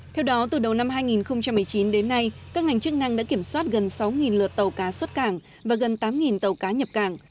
theo đó từ đầu năm hai nghìn một mươi chín đến nay các ngành chức năng đã kiểm soát gần sáu lượt tàu cá xuất cảng và gần tám tàu cá nhập cảng